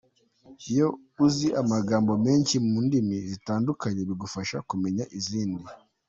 Iyo uzi amagambo menshi mu ndimi zitandukanye, bigufasha kumenya izindi.